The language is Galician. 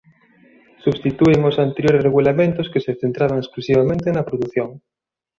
Substitúen aos anteriores regulamentos que se centraban exclusivamente na produción.